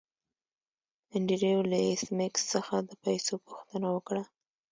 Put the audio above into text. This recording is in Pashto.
انډریو له ایس میکس څخه د پیسو پوښتنه وکړه